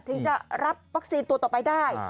ถึงจะรับวัคซีนตัวต่อไปได้